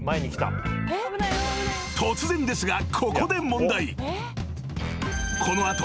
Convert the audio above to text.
［突然ですがここで問題］